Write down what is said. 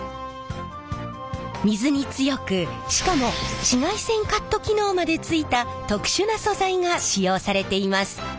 水に強くしかも紫外線カット機能までついた特殊な素材が使用されています。